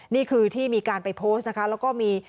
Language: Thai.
นี่คือที่มีการไปโพสต์นะคะแล้วก็มี